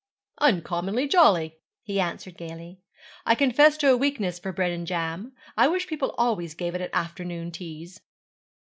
'Uncommonly jolly,' he answered gaily. 'I confess to a weakness for bread and jam. I wish people always gave it at afternoon teas.'